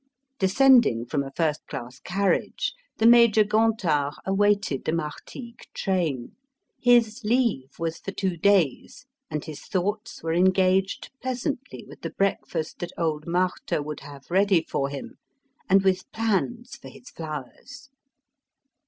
Descending from a first class carriage, the Major Gontard awaited the Martigues train his leave was for two days, and his thoughts were engaged pleasantly with the breakfast that old Marthe would have ready for him and with plans for his flowers.